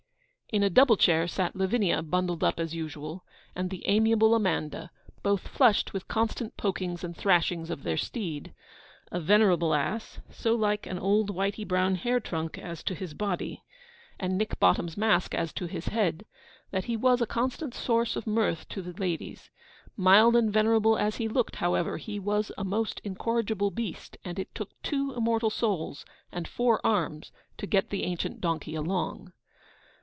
In a double chair sat Lavinia, bundled up as usual, and the amiable Amanda, both flushed with constant pokings and thrashings of their steed. A venerable ass, so like an old whity brown hair trunk as to his body, and Nick Bottom's mask as to his head, that he was a constant source of mirth to the ladies. Mild and venerable as he looked, however, he was a most incorrigible beast, and it took two immortal souls, and four arms, to get the ancient donkey along.